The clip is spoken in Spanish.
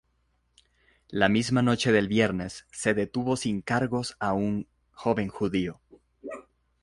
La misma noche del viernes, se detuvo sin cargos a un joven judío.